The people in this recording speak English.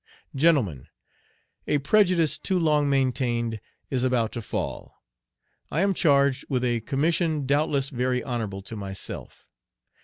"GENTLEMEN: A prejudice, too long maintained, is about to fall. I am charged with a commission doubtless very honorable to myself.